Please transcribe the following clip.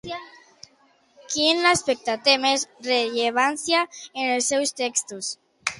Quin aspecte té més rellevància en els seus textos?